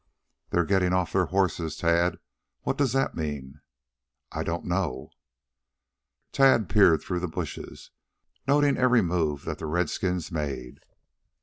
"They're getting off their horses, Tad. What does that mean?" "I don't know." Tad peered through the bushes, noting every move that the redskins made.